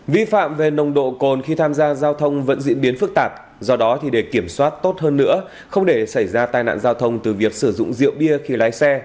vi phạm về nồng độ cồn khi tham gia giao thông vẫn diễn biến phức tạp do đó để kiểm soát tốt hơn nữa không để xảy ra tai nạn giao thông từ việc sử dụng rượu bia khi lái xe